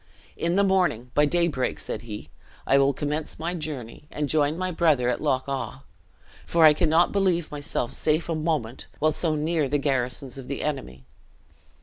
"In the morning, by daybreak," said he, "I will commence my journey, and join my brother at Loch awe; for I cannot believe myself safe a moment, while so near the garrisons of the enemy."